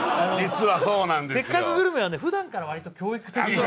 「せっかくグルメ！！」はふだんから割と教育的な。